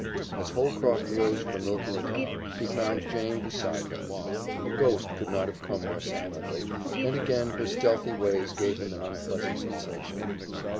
As Holcroft rose from milking a cow he found Jane beside him. A ghost could not have come more silently, and again her stealthy ways gave him an unpleasant sensation.